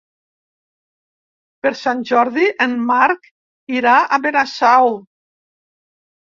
Per Sant Jordi en Marc irà a Benasau.